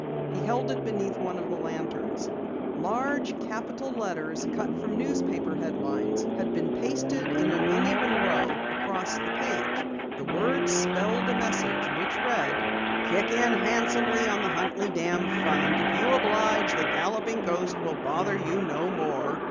He held it beneath one of the lanterns. Large capital letters cut from newspaper headlines had been pasted in an uneven row across the page. The words spelled a message which read: "KICK IN HANDSOMELY ON THE HUNTLEY DAM FUND. IF YOU OBLIGE, THE GALLOPING GHOST WILL BOTHER YOU NO MORE."